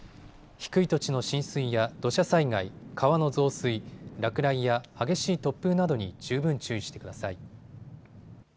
低い土地の浸水や土砂災害、川の増水、落雷や激しい突風などに十分注意してください。